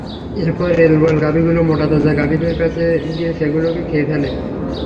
এরপর এ দুর্বল গাভীগুলো মোটাতাজা গাভীদের কাছে গিয়ে সেগুলোকে খেয়ে ফেলে।